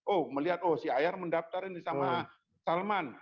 oh melihat oh si ayer mendaftarin ini sama salman